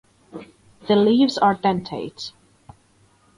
The leaves are dentate.